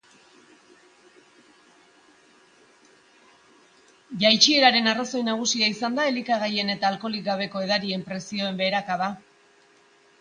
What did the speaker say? Jaitsieraren arrazoi nagusia elikagaien eta alkoholik gabeko edarien prezioen beherakada izan da.